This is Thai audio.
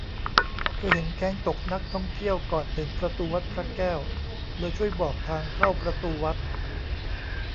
เคยเห็นแก๊งตกนักท่องเที่ยวก่อนถึงประตูวัดพระแก้ว เลยช่วยบอกทางเข้าประตูวัด